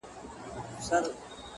زړه راته زخم کړه’ زارۍ کومه’